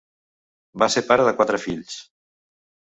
Va ser pare de quatre fills.